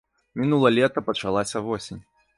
Мінула лета, пачалася восень.